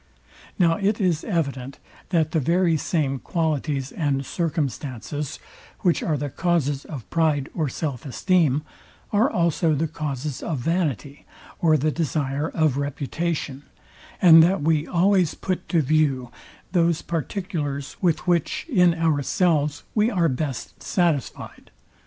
Now it is evident, that the very same qualities and circumstances, which are the causes of pride or self esteem, are also the causes of vanity or the desire of reputation; and that we always put to view those particulars with which in ourselves we are best satisfyed.